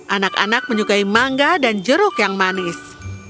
anak anak menyukai mangga dan jeruk yang manis